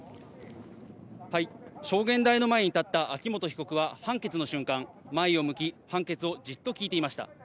証言台の前に立った秋元被告は判決の瞬間、前を向き判決をじっと聞いていました。